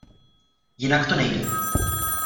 Jinak to nejde.